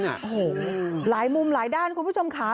โอ้โหหลายมุมหลายด้านคุณผู้ชมค่ะ